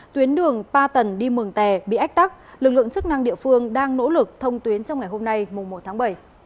tuyến đường ba tần đi mường tè bị ách tắc lực lượng chức năng địa phương đang nỗ lực thông tuyến trong ngày hôm nay mùa một tháng bảy